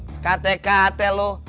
sekat eh kate lo